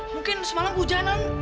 mungkin semalam hujanan